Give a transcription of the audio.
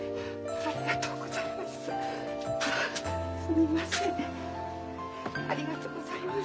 ありがとうございます。